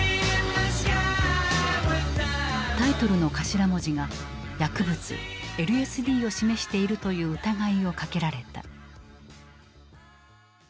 タイトルの頭文字が薬物ＬＳＤを示しているという疑いをかけられた。